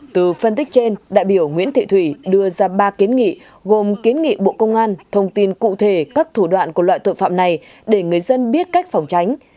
từ phân tích trên đại biểu nguyễn thị thủy đưa ra ba kiến nghị gồm kiến nghị bộ công an thông tin cụ thể các thủ đoạn của loại tội phạm này để người dân biết cách phòng tránh